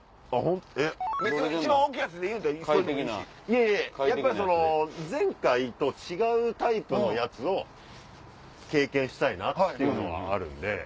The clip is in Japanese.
いやいややっぱりその前回と違うタイプのやつを経験したいなっていうのはあるんで。